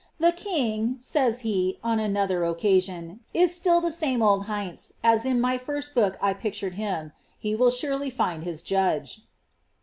Tlie kiniTi^' says he, on another occasion, ^ is still the same old Hiniz^ as is my first b(M>k I pictured him. He will surely find his judge.